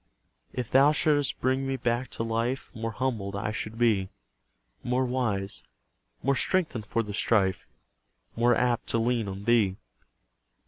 If Thou shouldst bring me back to life, More humbled I should be; More wise more strengthened for the strife More apt to lean on Thee.